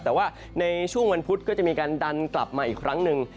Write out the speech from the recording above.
แต่ว่าในช่วงวันพุธก็จะมีการดันกลับมาอีกครั้งหนึ่ง